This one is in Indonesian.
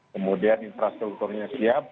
kemudian infrastrukturnya siap